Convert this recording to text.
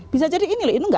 bisa jadi ini loh ini enggak